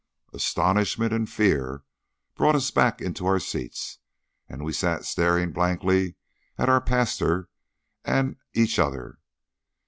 Astonishment and fear brought us back into our seats, and we sat staring blankly at our pastor and each other.